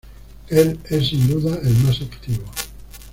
Él es sin duda el más activo.